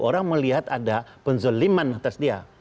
orang melihat ada penzolimannya